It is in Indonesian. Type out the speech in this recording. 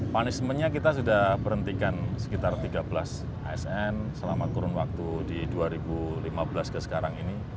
punishmentnya kita sudah berhentikan sekitar tiga belas asn selama kurun waktu di dua ribu lima belas ke sekarang ini